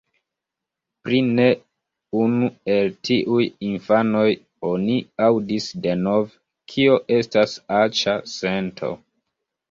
Pri ne unu el tiuj infanoj oni aŭdis denove, kio estas aĉa sento.